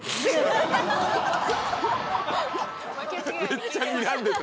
めっちゃにらんでた。